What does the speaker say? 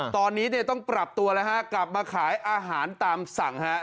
ตอนนี้เนี่ยต้องปรับตัวแล้วฮะกลับมาขายอาหารตามสั่งฮะ